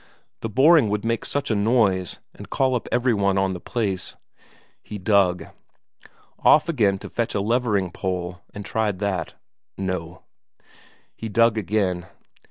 The boring would make such a noise, and call up every one on the place. He dug. Off again to fetch a levering pole and tried that no. He dug again.